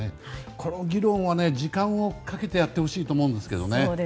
この議論は時間をかけてやってほしいと思うんですけど。